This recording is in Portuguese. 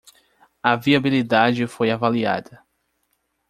A viabilidade foi avaliada